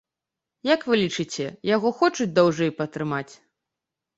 Як вы лічыце, яго хочуць даўжэй патрымаць?